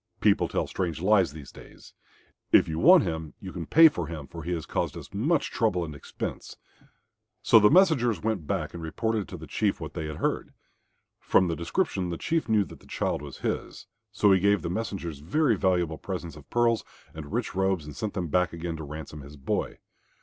People tell strange lies these days. If you want him you can pay for him, for he has caused us much trouble and expense." So the messengers went back and reported to the Chief what they had heard. From the description, the Chief knew that the child was his, so he gave the messengers very valuable presents of pearls and rich robes and sent them back again to ransom his boy.